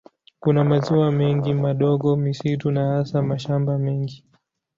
Kuna maziwa mengi madogo, misitu na hasa mashamba mengi.